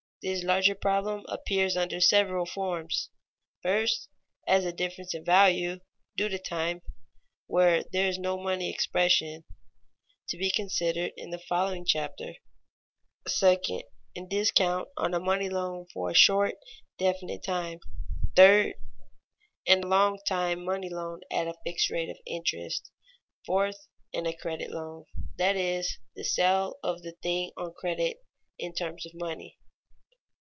_ This larger problem appears under several forms: first, as a difference in value, due to time, where there is no money expression (to be considered in the following chapter); second, in discount on a money loan for a short, definite time; third, in a long time money loan at a fixed rate of interest; fourth, in a credit loan that is, the sale of the thing on credit in terms of money.